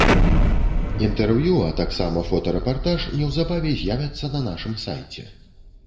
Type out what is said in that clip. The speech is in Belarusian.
Інтэрв'ю, а таксама фотарэпартаж неўзабаве з'явяцца на нашым сайце.